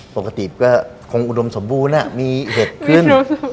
ปกติก็คงอุดมสมบูรณ์มีเห็ดขึ้น